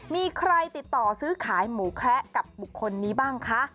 มีใครติดต่อซื้อขายหมูแคระกับบุคคลนี้บ้างคะ